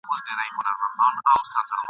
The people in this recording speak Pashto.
ښار به نه وي یو وطن به وي د مړو !.